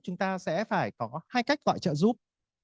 chúng ta sẽ phải có hai cách gọi trợ giúp